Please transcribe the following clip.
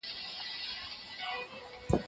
ښه خاوند به خپله ميرمن نه خپه کوي.